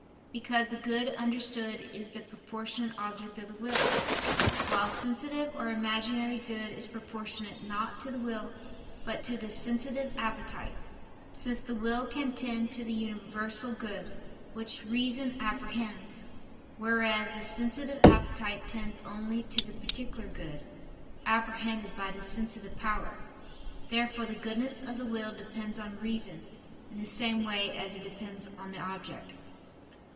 Because the good understood is the proportionate object of the will; while sensitive or imaginary good is proportionate not to the will but to the sensitive appetite: since the will can tend to the universal good, which reason apprehends; whereas the sensitive appetite tends only to the particular good, apprehended by the sensitive power. Therefore the goodness of the will depends on reason, in the same way as it depends on the object.